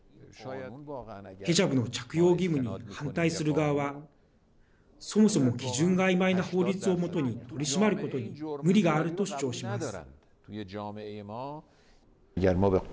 ヘジャブの着用義務に反対する側はそもそも基準が、あいまいな法律を基に取り締まることに無理があると主張します。